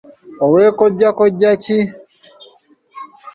Ow’e Kkojja Kojja ki?